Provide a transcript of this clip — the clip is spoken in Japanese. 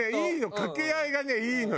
掛け合いがねいいのよ。